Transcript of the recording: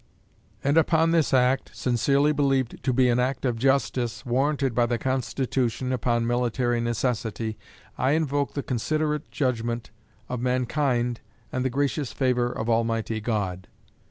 And upon this act, sincerely believed to be an act of justice, warranted by the Constitution, upon military necessity, I invoke the considerate judgment of mankind and the gracious favor of Almighty God.